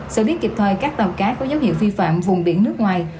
sở biết kịp thời các tàu cá có dấu hiệu vi phạm vùng biển nước ngoài